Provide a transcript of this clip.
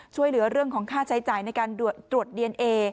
ช่วยเหลือเรื่องของค่าใช้จ่ายในการตรวจดีเอนเอ